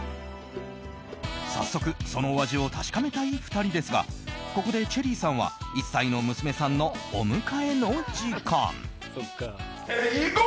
早速そのお味を確かめたい２人ですがここでチェリーさんは１歳の娘さんのお迎えの時間。